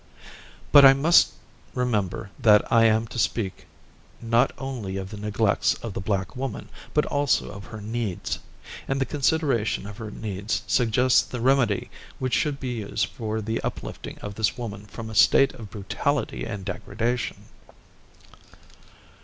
But I must remember that I am to speak not only of the neglects of the black woman, but also of her needs. And the consideration of her needs suggests the remedy which should be used for the uplifting of this woman from a state of brutality and degradation.